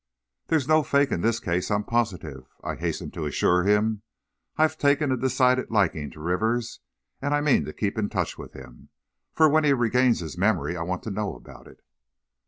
"There's no fake in this case, I'm positive," I hastened to assure him; "I've taken a decided liking to Rivers, and I mean to keep in touch with him, for when he regains his memory I want to know about it."